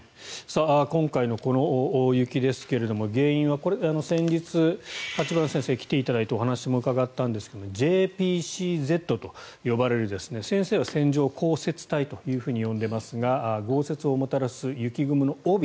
今回のこの大雪ですが原因は先日立花先生に来ていただいて話を伺ったんですがＪＰＣＺと呼ばれる先生は線状降雪帯と呼んでますが豪雪をもたらす雪雲の帯